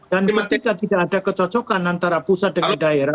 dan tidak ada kecocokan antara pusat dengan daerah